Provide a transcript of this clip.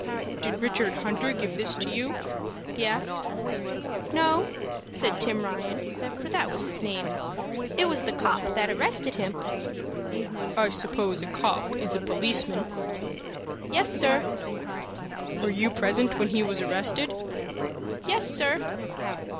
"Did Richard Hunter give this to you?" he asked. "No," said Tim Ryan, for that was his name. "It was the 'copp' that arrested him." "I suppose a 'copp' is a policeman." "Yes, sir." "Were you present when he was arrested?" "Yes, sir."